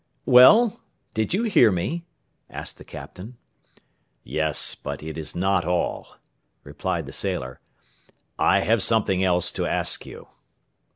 "Well! did you hear me?" asked the Captain. "Yes, but it is not all," replied the sailor. "I have something else to ask you."